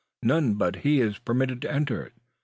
None but he is permitted to enter it.